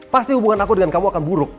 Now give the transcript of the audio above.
pasti hubungan aku dengan kamu akan buruk